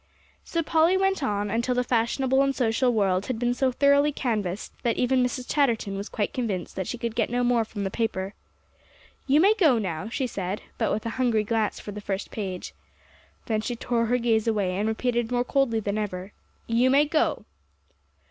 So Polly went on, until the fashionable and social world had been so thoroughly canvassed that even Mrs. Chatterton was quite convinced that she could get no more from the paper. "You may go now," she said, but with a hungry glance for the first page. Then she tore her gaze away, and repeated more coldly than ever, "You may go."